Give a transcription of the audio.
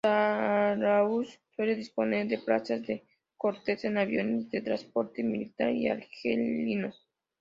Saharauis suelen disponer de plazas de cortesía en aviones de transporte militar argelinos.